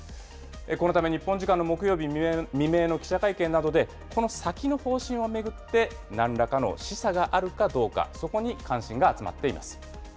このため日本時間の木曜日未明の記者会見などで、この先の方針を巡って、なんらかの示唆があるかどうか、そこに関心が集まっています。